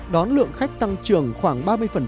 đón lượng khách tăng trưởng khoảng ba mươi